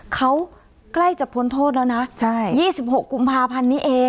เขาใกล้จะพ้นโทษแล้วนะ๒๖กุมภาพันธ์นี้เอง